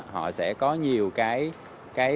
họ sẽ có nhiều lựa chọn